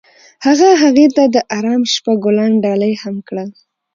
هغه هغې ته د آرام شپه ګلان ډالۍ هم کړل.